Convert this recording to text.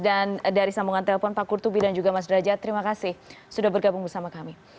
dan dari sambungan telepon pak kurtubi dan juga mas derajat terima kasih sudah bergabung bersama kami